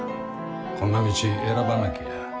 「こんな道選ばなけりゃ」。